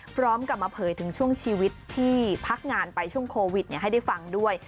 พร้อมกับมาเผยถึงช่วงชีวิตที่พักงานไปช่วงโควิดให้ได้ฟังด้วย